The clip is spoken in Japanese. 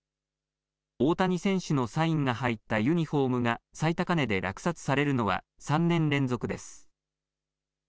大谷選手のサインが入ったユニフォームが最高値で落札されるのは３年連続です。